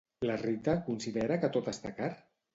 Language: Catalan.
La Rita considera que tot està car?